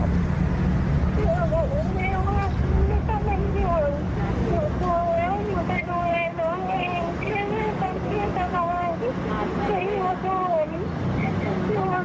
แม่ไม่ต้องมาอยู่บอกให้มาหมายเห็นแบบนี้แหละ